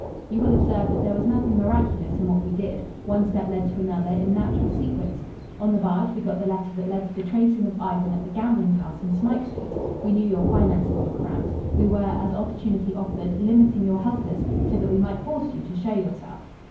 "You will observe that there was nothing miraculous in what we did. One step led to another in natural sequence. On the barge, we got the letter that led to the tracing of Ivan at the gambling house in Smike Street. We knew your finances were cramped. We were, as opportunity offered, limiting your helpers, so that we might force you to show yourself.